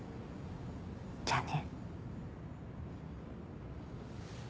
じゃあね。